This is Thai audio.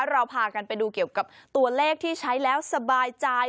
เราพากันไปดูเกี่ยวกับตัวเลขที่ใช้แล้วสบายใจ